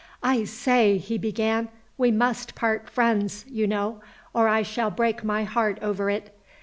"I say!" he began, "we must part friends, you know or I shall break my heart over it.